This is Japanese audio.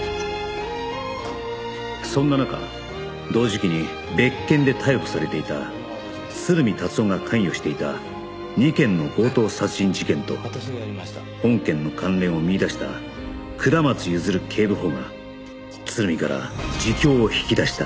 そんな中同時期に別件で逮捕されていた鶴見達男が関与していた２件の強盗殺人事件と本件の関連を見いだした下松譲警部補が鶴見から自供を引き出した